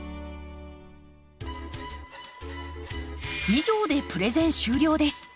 以上でプレゼン終了です。